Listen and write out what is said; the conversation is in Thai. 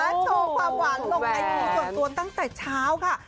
โชว์ความหวานลงไอจีส่วนตัวตั้งแต่เช้าค่ะ